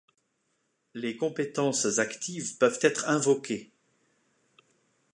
Les compétences “actives” peuvent être invoquées.